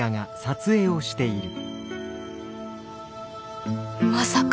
心の声まさか。